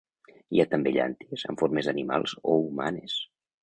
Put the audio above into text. Hi ha també llànties amb formes d'animals o humanes.